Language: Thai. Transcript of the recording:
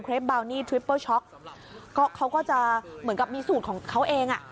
บาวนี่ทริปเปอร์ช็อกก็เขาก็จะเหมือนกับมีสูตรของเขาเองอ่ะ